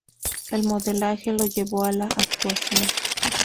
El modelaje lo llevó a la actuación.